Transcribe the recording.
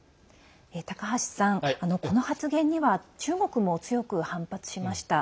高橋さん、この発言には中国も強く反発しました。